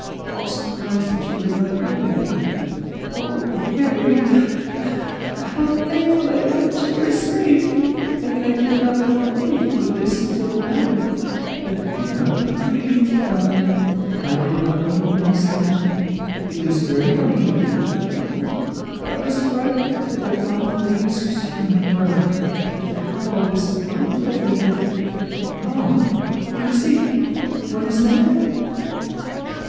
I am surprised that you are not ill again. Oh, Harry," (with fresh sobs), "how thankful I am that you are safe, and that I did not know anything of this until now! And do not look grieved, darling; I did not mean what I said. It was very naughty of me, I know, but I was frightened at the thought of the risks you have run, and how all this might have ended. Oh, mercy! what is that?"